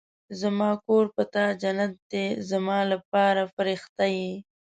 زما کور په تا جنت دی زما لپاره فرښته يې